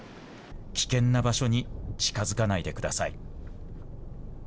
危険な場所に近づかないでください。